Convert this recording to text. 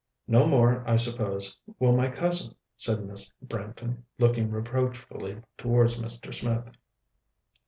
"No more, I suppose, will my cousin," said Miss Branghton, looking reproachfully towards Mr. Smith.